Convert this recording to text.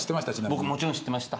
僕もちろん知ってました。